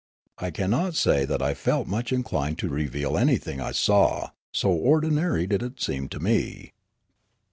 I cannot say that I felt much inclined to reveal anything I saw, so ordinary did it seem to me.